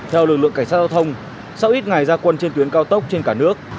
theo lực lượng cảnh sát giao thông sau ít ngày gia quân trên tuyến cao tốc trên cả nước